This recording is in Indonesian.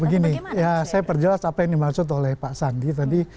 begini ya saya perjelas apa yang dimaksud oleh pak sandi tadi